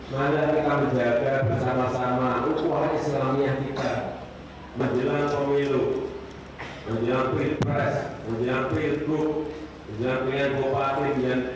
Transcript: pali kota isinya selalu mengerti